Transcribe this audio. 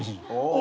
お！